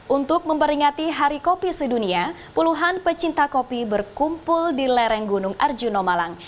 untuk memperingati hari kopi sedunia puluhan pecinta kopi berkumpul di lereng gunung arjuna malang